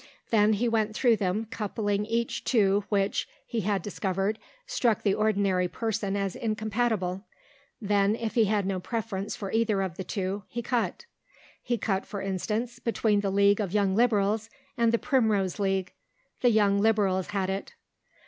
Then he went through them, coupling each two which, he had discovered, struck the ordinary person as incompatible; then, if he had no preference for either of the two, he cut. He cut, for instance, between the League of Young Liberals and the Primrose League. The Young Liberals had it.